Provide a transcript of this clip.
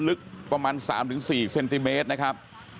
ลึกประมาณ๓๔เซนติเมตรนะครับ